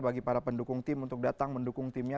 bagi para pendukung tim untuk datang mendukung timnya